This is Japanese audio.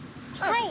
はい！